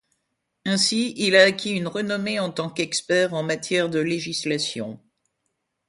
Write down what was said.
Ainsi, il a acquis une renommée en tant qu'expert en matière de législation.